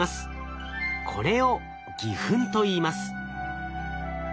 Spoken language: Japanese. これを偽ふんといいます。